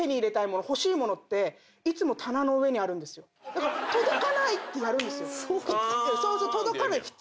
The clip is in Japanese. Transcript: だから「届かない」ってやるんですよ。